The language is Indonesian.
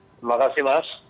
baik terima kasih mas